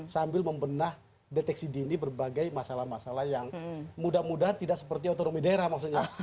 sambil membenah deteksi dini berbagai masalah masalah yang mudah mudahan tidak seperti otonomi daerah maksudnya